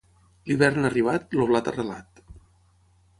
L'hivern arribat, el blat arrelat.